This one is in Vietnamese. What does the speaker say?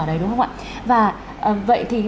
đấy đúng không ạ và vậy thì